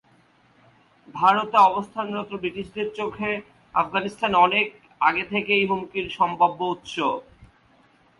ভারতে অবস্থানরত ব্রিটিশদের চোখে, আফগানিস্তান অনেক আগে থেকেই হুমকির সম্ভাব্য উৎস।